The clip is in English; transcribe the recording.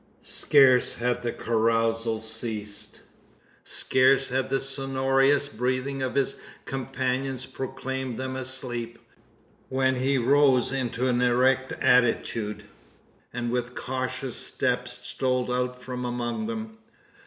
Scarce had the carousal ceased scarce had the sonorous breathing of his companions proclaimed them asleep when he rose into an erect attitude, and with cautious steps stole out from among them.